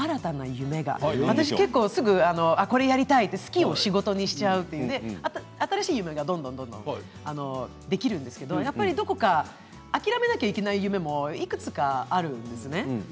私、結構これやりたいと、好きを仕事にしちゃうという新しい夢がどんどんできるんですけどどこか諦めなきゃいけない夢もいくつかあるんですよね。